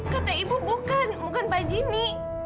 kata ibu bukan bukan pak jimmy